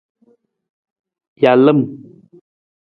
Jalam.